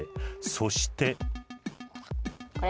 そして。